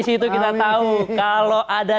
situ kita tahu kalau ada